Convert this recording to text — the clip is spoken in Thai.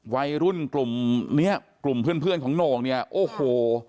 วัยรุ่นกลุ่มเนี้ยกลุ่มเพื่อนเพื่อนของโหน่งเนี่ยโอ้โห